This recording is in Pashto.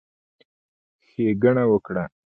ښېګڼه وکړه،